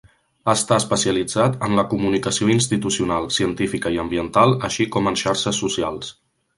Està especialitzat en la comunicació institucional, científica i ambiental, així com en xarxes socials.